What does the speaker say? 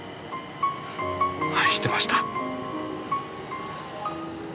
愛してました。